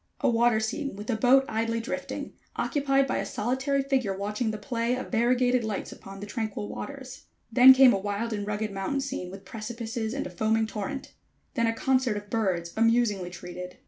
A water scene with a boat idly drifting, occupied by a solitary figure watching the play of variegated lights upon the tranquil waters. Then came a wild and rugged mountain scene with precipices and a foaming torrent. Then a concert of birds amusingly treated.